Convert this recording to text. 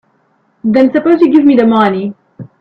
Then suppose you give me the money.